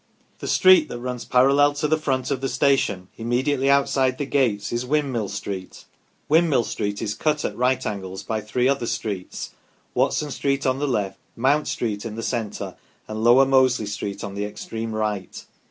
The street that runs parallel to the front of the station immediately outside the gates is Windmill Street ; Windmill Street is cut at right angles by three other streets Watson Street on the left, Mount Street in the centre, and Lower Mosley Street on the extreme right.